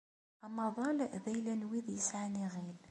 Amaḍal d ayla n wid yesɛan iɣil.